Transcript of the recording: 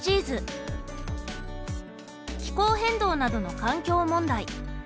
気候変動などの環境問題。